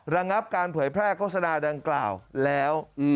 ระงับการเผยแพร่โฆษณาดังกล่าวแล้ว